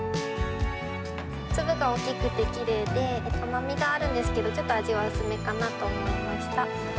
粒が大きくてきれいで、甘みはあるんですけど、ちょっと味は薄めかなと思いました。